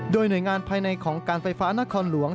โดยหน่วยงานภายในของการไฟฟ้านครหลวง